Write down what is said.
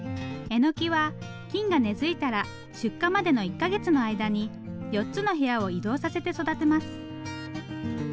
えのきは菌が根づいたら出荷までの１か月の間に４つの部屋を移動させて育てます。